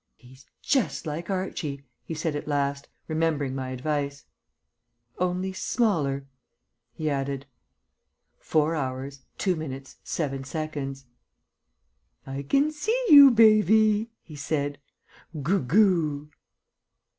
"He's just like Archie," he said at last, remembering my advice. "Only smaller," he added. 4 hrs. 2 min. 7 sec. "I can see you, baby," he said. "Goo goo."